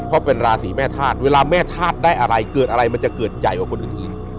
เพราะเป็นราศีแม่ธาตุเวลาแม่ธาตุได้อะไรเกิดอะไรมันจะเกิดใหญ่กว่าคนอื่น